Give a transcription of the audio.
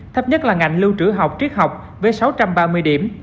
thấp nhất là ngành lưu trữ học triết học với sáu trăm ba mươi điểm